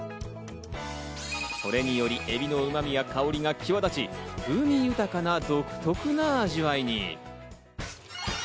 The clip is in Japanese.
それによりエビのうまみや香りが際立ち、風味豊かな独特な味わいに。